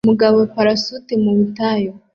umugabo parasute mu butayu